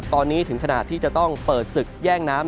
ตอนนี้ถึงขนาดที่จะต้องเปิดศึกแย่งน้ำ